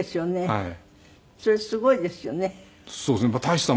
はい。